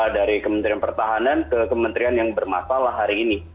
dari kementerian pertahanan ke kementerian yang bermasalah hari ini